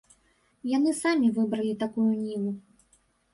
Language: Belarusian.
Яны самі выбралі такую ніву.